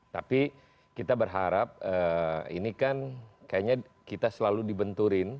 tapi kita berharap ini kan kayaknya kita selalu dibenturin